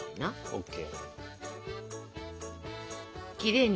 ＯＫ。